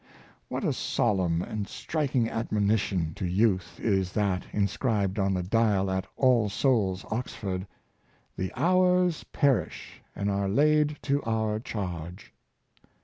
What a solemn and striking admonition to youth is that inscribed on the dial at All Souls, Oxford —" The hours perish, and are laid to our charge."